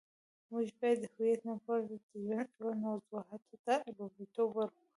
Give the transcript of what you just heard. موږ باید د هویت نه پورته د ژوند اړوند موضوعاتو ته لومړیتوب ورکړو.